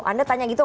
anda tanya gitu gak